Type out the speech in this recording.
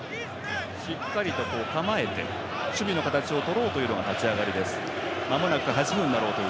しっかりと構えて守備の形を取ろうという立ち上がりです。